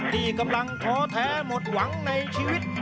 ที่กำลังท้อแท้หมดหวังในชีวิต